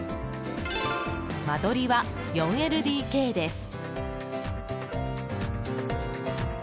間取りは４ＬＤＫです。